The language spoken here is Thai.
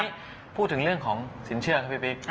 พูดถึงเรื่องของสินเชื่อครับพี่บิ๊ก